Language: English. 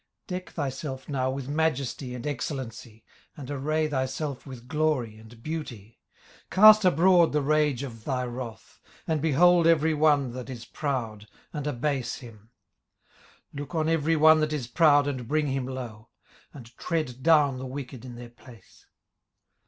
18:040:010 Deck thyself now with majesty and excellency; and array thyself with glory and beauty. 18:040:011 Cast abroad the rage of thy wrath: and behold every one that is proud, and abase him. 18:040:012 Look on every one that is proud, and bring him low; and tread down the wicked in their place.